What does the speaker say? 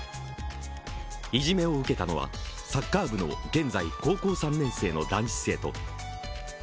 いじめを受けたのはサッカー部の現在高校３年生の男子生徒。